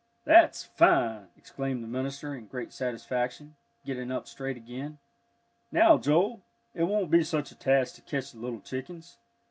"That's fine!" exclaimed the minister in great satisfaction, getting up straight again. "Now, Joel, it won't be such a task to catch the little chickens.